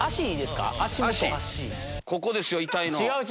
ここですよ痛いの。